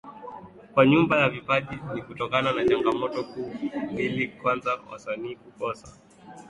kwa nyumba ya vipaji ni kutokana na Changamoto kuu mbili Kwanza wasanii kukosa